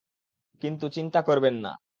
কিন্তু, চিন্তা করবেন না।